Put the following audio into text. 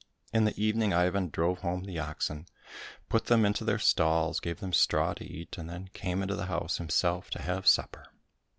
In the evening Ivan drove home the oxen, put them into their stalls, gave them straw to eat, and then came into the house himself to have supper.